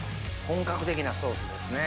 本格的なソースですね。